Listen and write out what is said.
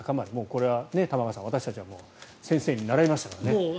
これは玉川さん、私たちは先生に習いましたからね。